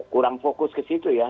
kurang fokus ke situ ya